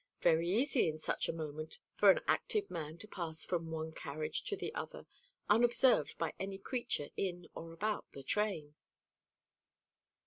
Very easy in such a moment for an active man to pass from one carriage to the other, unobserved by any creature in or about the train.